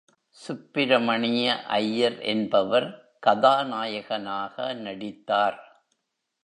சுப்பிரமணிய ஐயர் என்பவர் கதாநாயகனாக நடித்தார்.